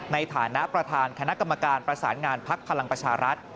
ในฐานะประธานคณะกรรมการประสานงานพักพลังประชารัฐ